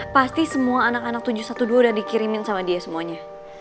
pasti semua anak anak tujuh ratus dua belas udah dikirimin sama dia semuanya